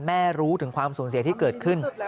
รู้ถึงความสูญเสียที่เกิดขึ้น